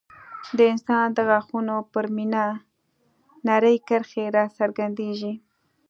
د انسان د غاښونو پر مینا نرۍ کرښې راڅرګندېږي.